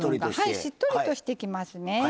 しっとりとしてきますね。